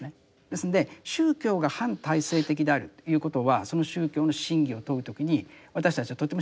ですんで宗教が反体制的であるということはその宗教の真偽を問う時に私たちはとても慎重に判断しなければならない。